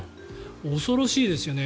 恐ろしいですよね。